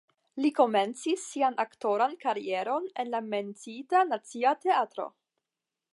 Li komencis sian aktoran karieron en la menciita Nacia Teatro.